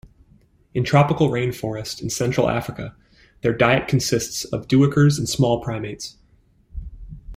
In tropical rainforest in Central Africa, their diet consists of duikers and small primates.